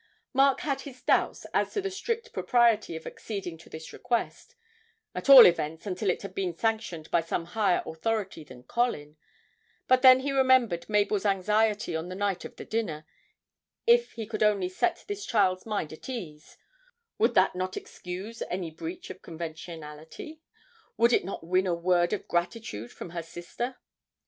Mark had his doubts as to the strict propriety of acceding to this request at all events until it had been sanctioned by some higher authority than Colin but then he remembered Mabel's anxiety on the night of the dinner; if he could only set this child's mind at ease, would not that excuse any breach of conventionality would it not win a word of gratitude from her sister?